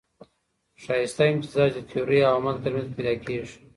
ښايسته امتزاج د تيوري او عمل ترمنځ پيدا کېږي.